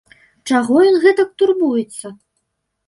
Чаго ён гэтак турбуецца?